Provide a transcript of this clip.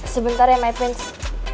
sebentar ya my prince